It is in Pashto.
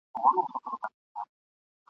سړي وویل راغلی مسافر یم ..